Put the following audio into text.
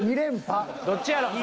どっちやろ？